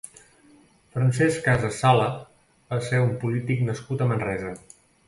Francesc Casas Sala va ser un polític nascut a Manresa.